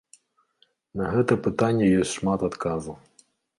На гэта пытанне ёсць шмат адказаў.